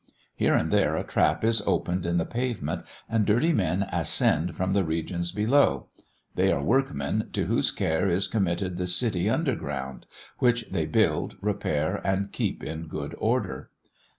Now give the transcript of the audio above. Here and there a trap is opened in the pavement, and dirty men ascend from the regions below; they are workmen, to whose care is committed the city under ground, which they build, repair, and keep in good order.